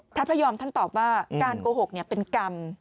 พระพระยอมท่านตอบว่าการโกหกเป็นกรรม